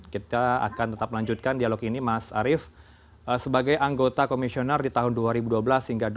kita akan tetap melanjutkan dialog ini mas arief sebagai anggota komisioner di tahun dua ribu dua belas hingga dua ribu dua puluh